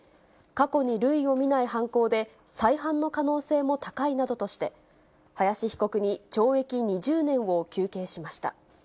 過去に類を見ない犯行で、再犯の可能性も高いなどとして、林被告に懲役２０年を求刑しました。